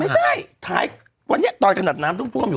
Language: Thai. ไม่ใช่วันนี้ตอนขนาดน้ำทุ่มอยู่